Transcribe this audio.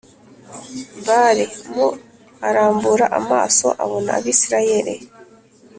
Bal mu arambura amaso abona Abisirayeli